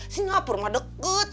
singapura mah deket